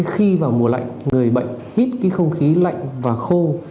khi vào mùa lạnh người bệnh hít không khí lạnh và khô